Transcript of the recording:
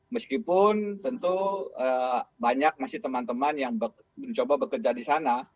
meskipun tentu banyak masih teman teman yang mencoba bekerja di sana